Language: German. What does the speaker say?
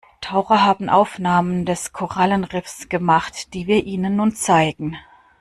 Taucher haben Aufnahmen des Korallenriffs gemacht, die wir Ihnen nun zeigen.